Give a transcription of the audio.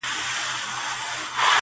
o سر چي د شال وړ وي د کشميره ور ته راځي٫